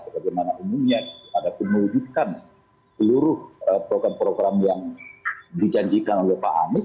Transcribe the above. bagaimana umumnya ada penelujukan seluruh program program yang dijanjikan oleh pak amis